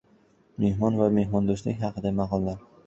Mehmon va mehmondo‘stlik haqida maqollar.